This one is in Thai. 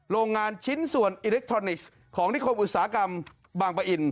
โรงงานชิ้นส่วนอิเล็กทรอนิกส์ของนิคมอุตสาหกรรมบางปะอิน